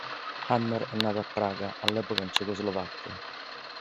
Hammer è nato a Praga, all'epoca in Cecoslovacchia.